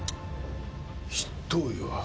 執刀医は？